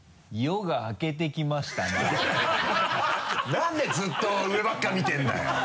なんでずっと上ばっかり見てるんだよ！